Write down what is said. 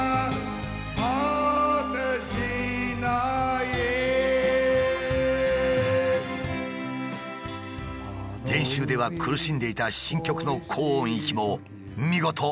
「果てしない」練習では苦しんでいた新曲の高音域も見事歌いきった。